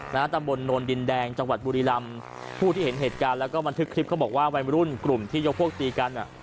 ตำบลโนนดินแดงจังหวัดบุรีรำผู้ที่เห็นเหตุการณ์แล้วก็บันทึกคลิปเขาบอกว่าวัยรุ่นกลุ่มที่ยกพวกตีกันอ่ะ